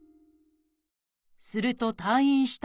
すると退院した